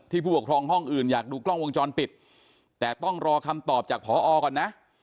ผู้ปกครองห้องอื่นอยากดูกล้องวงจรปิดแต่ต้องรอคำตอบจากพอก่อนนะ